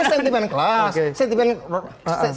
ini sentimen kelas